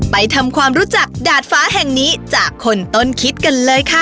ไปทำความรู้จักดาดฟ้าแห่งนี้จากคนต้นคิดกันเลยค่ะ